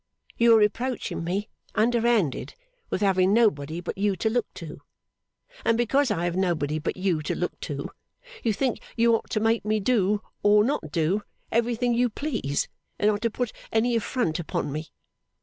You are reproaching me, underhanded, with having nobody but you to look to. And because I have nobody but you to look to, you think you are to make me do, or not do, everything you please, and are to put any affront upon me.